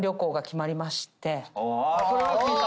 それは聞いた。